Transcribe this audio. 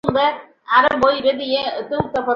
হ্যাঁ, আমি দেখতে পাচ্ছি।